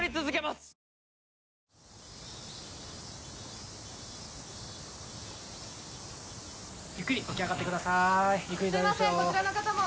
すいませんこちらの方も。